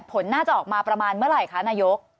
ผลน่าจะออกมาประมาณเมื่อไหร่คะนายก